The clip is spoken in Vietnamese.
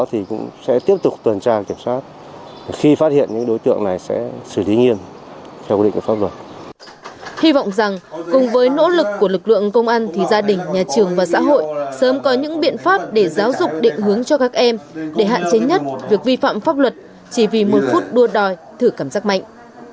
hy vọng rằng cùng với nỗ lực của lực lượng công an thì gia đình nhà trường và xã hội sớm có những biện pháp để giáo dục định hướng cho các em để hạn chế nhất việc vi phạm pháp luật chỉ vì một phút đua đòi thử cảm giác mạnh